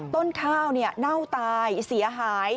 ต้นข้าวเน่าตายเสียหาย